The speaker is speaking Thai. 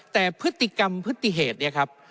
แต่พฤติกรรมพฤติเหตุเนี่ยครับ